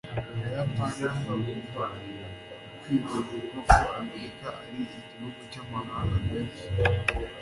Abayapani ntibagomba kwibagirwa ko Amerika ari igihugu cyamahanga menshi